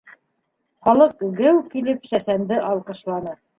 Халыҡ, геү килеп, сәсәнде алҡышланы.